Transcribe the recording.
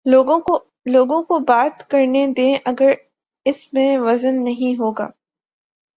لوگوں کو بات کر نے دیں اگر اس میں وزن نہیں ہو گا۔